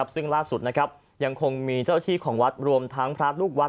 ซึ่งล่าสุดยังคงมีเจ้าที่ของวัดรวมทั้งพระลูกวัด